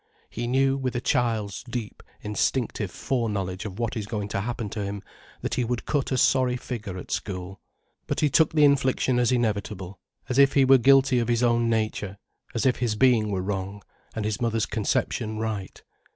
He knew, with a child's deep, instinctive foreknowledge of what is going to happen to him, that he would cut a sorry figure at school. But he took the infliction as inevitable, as if he were guilty of his own nature, as if his being were wrong, and his mother's conception right.